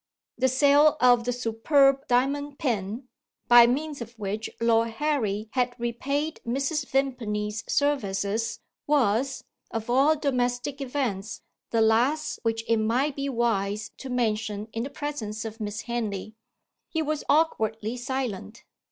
The sale of the superb diamond pin, by means of which Lord Harry had repaid Mrs. Vimpany's services, was, of all domestic events, the last which it might be wise to mention in the presence of Miss Henley. He was awkwardly silent.